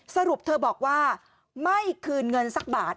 สรุปเธอบอกว่าไม่คืนเงินสักบาท